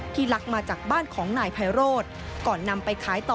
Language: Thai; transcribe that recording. ลักมาจากบ้านของนายไพโรธก่อนนำไปขายต่อ